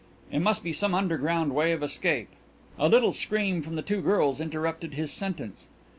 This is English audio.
"It must be some underground way of escape " A little scream from the two girls interrupted his sentence.